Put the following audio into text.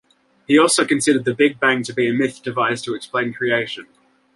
He also considered the Big Bang to be a myth devised to explain creation.